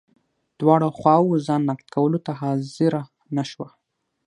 دواړو خواوو ځان نقد کولو ته حاضره نه شوه.